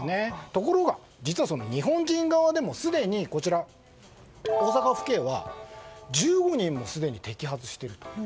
ところが実は日本人側でもすでに大阪府警は１５人も摘発していると。